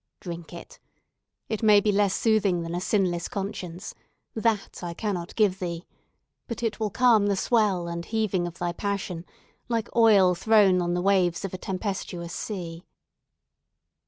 Drink it! It may be less soothing than a sinless conscience. That I cannot give thee. But it will calm the swell and heaving of thy passion, like oil thrown on the waves of a tempestuous sea."